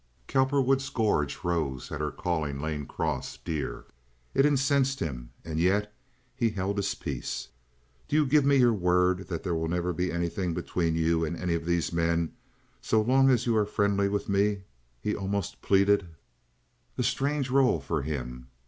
Cowperwood's gorge rose at her calling Lane Cross dear. It incensed him, and yet he held his peace. "Do give me your word that there will never be anything between you and any of these men so long as you are friendly with me?" he almost pleaded—a strange role for him.